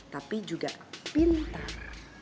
tapi juga pintar